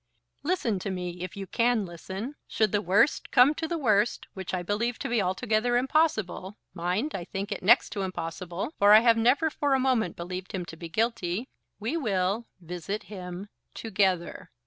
"Listen to me, if you can listen. Should the worst come to the worst, which I believe to be altogether impossible, mind, I think it next to impossible, for I have never for a moment believed him to be guilty, we will, visit him, together.